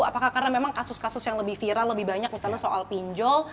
apakah karena memang kasus kasus yang lebih viral lebih banyak misalnya soal pinjol